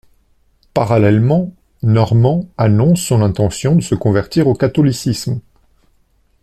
Parallèlement, Norman annonce son intention de se convertir au catholicisme.